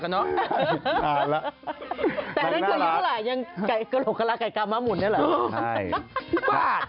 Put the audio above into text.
น่ารักนะมันเอ้าไปแตก